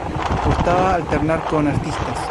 Gustaba alternar con artistas.